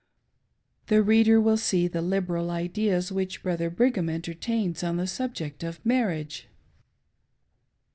" The reader will see the liberal ideas which Brother Brigham entertains on the subject of marriage.